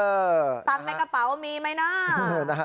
ตังค์ในกระเป๋ามีไหมนะ